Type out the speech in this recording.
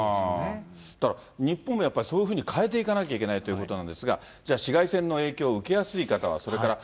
だから、日本もやっぱりそういうふうに変えていかなきゃいけないということなんですが、じゃあ、紫外線の影響を受けやすい方は、それから